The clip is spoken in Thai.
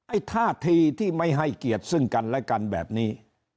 ท่าทีที่ไม่ให้เกียรติซึ่งกันและกันแบบนี้